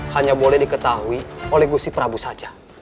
hanya boleh diketahui oleh gusi prabu saja